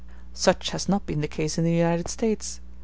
]] Such has not been the case in the United States.